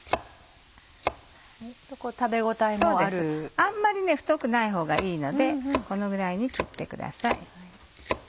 あんまり太くないほうがいいのでこのぐらいに切ってください。